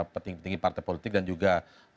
petinggi petinggi partai politik dan juga